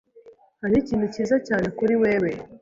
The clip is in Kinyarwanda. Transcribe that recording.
Hariho ikintu cyiza cyane kuri wewe.